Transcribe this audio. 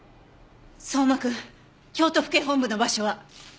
相馬くん京都府警本部の場所は？